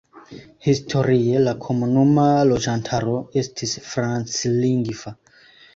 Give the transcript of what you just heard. Historie la komunuma loĝantaro estis franclingva.